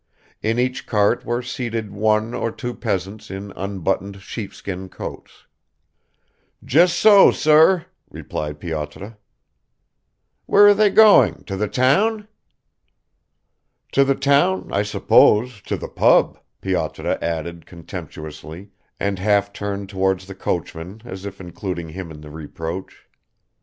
In each cart were seated one or two peasants in unbuttoned sheepskin coats. "Just so, sir," replied Pyotr. "Where are they going to the town?" "To the town, I suppose to the pub," Pyotr added contemptuously, and half turned towards the coachman as if including him in the reproach.